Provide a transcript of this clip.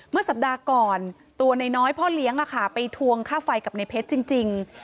เมื่อสัปดาห์ก่อนตัวน้อยพ่อเลี้ยงไปทวงค่าไฟกับในเพชรจริง